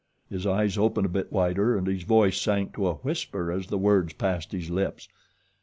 His eyes opened a bit wider and his voice sank to a whisper as the words passed his lips.